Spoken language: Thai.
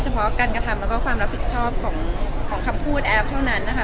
เพาะการกระทำแล้วก็ความรับผิดชอบของคำพูดแอฟเท่านั้นนะคะ